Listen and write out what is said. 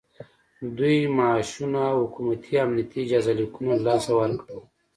دوی معاشونه او حکومتي امنیتي اجازه لیکونه له لاسه ورکړل